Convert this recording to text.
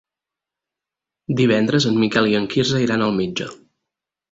Divendres en Miquel i en Quirze iran al metge.